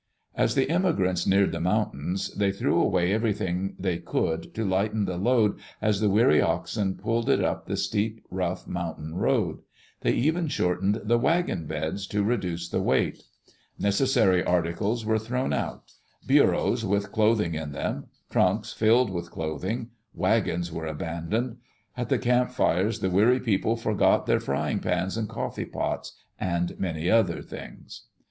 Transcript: As the Immigrants neared the mountains, they threw away everything they could to lighten the load as the weary oxen pulled it up the steep, rough mountain road. They even shortened the wagon beds, to reduce the weight. Necessary articles were thrown out: bureaus, with clothing in them; trunks, filled with clothing; wagons were aban doned. At the campfires the weary people forgot their frying pans and coffee pots and many other things.